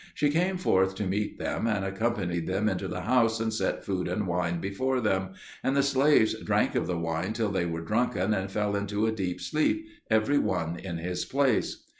She came forth to meet them, and accompanied them into the house, and set food and wine before them; and the slaves drank of the wine till they were drunken and fell into a deep sleep, every one in his place.